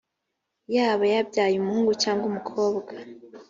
yaba yabyaye umuhungu cyangwa umukobwa?